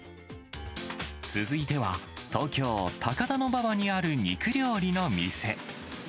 続いては、東京・高田馬場にある肉料理の店。